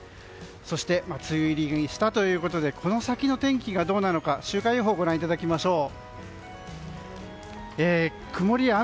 そして梅雨入りしたということでこの先の天気がどうなのか週間予報をご覧いただきましょう。